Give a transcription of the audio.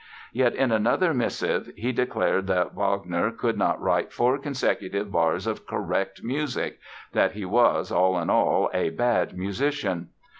Yet in another missive he declared that Wagner could not write four consecutive bars of "correct" music, that he was, all in all, a "bad musician".